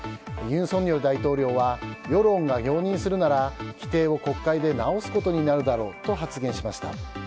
尹錫悦大統領は世論が容認するなら規定を国会で直すことになるだろうと発言しました。